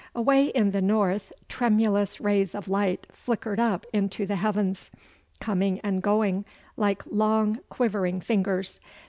Away in the north tremulous rays of light flickered up into the heavens, coming and going like long, quivering fingers.